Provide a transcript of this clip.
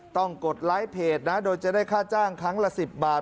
กดไลค์เพจนะโดยจะได้ค่าจ้างครั้งละ๑๐บาท